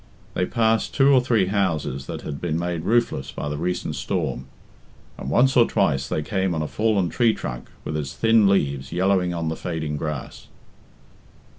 They passed two or three houses that had been made roofless by the recent storm, and once or twice they came on a fallen tree trunk with its thin leaves yellowing on the fading grass.